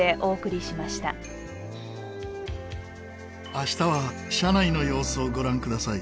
明日は車内の様子をご覧ください。